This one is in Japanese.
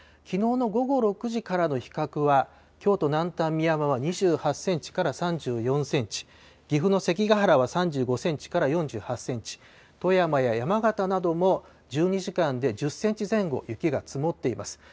きのうの午後６時からの比較は、京都・南丹、美山は２８センチから３４センチ、岐阜の関ケ原は３５センチから４８センチ、富山や山形なども、１２時間で１０センチ前後雪が積もっています。